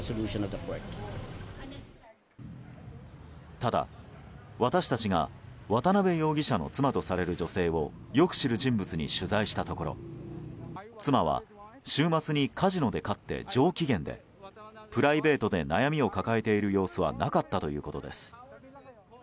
ただ、私たちが渡邉容疑者の妻とされる女性をよく知る人物に取材したところ妻は、週末にカジノで勝って上機嫌でプライベートで悩みを抱えている様子はなかったということです。